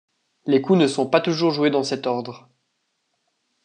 Les coups ne sont pas toujours joués dans cet ordre.